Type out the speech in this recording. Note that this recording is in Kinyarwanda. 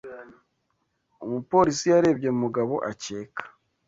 Umupolisi yarebye Mugabo akeka.